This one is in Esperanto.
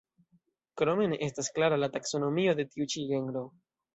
Krome ne estas klara la taksonomio de tiu ĉi genro.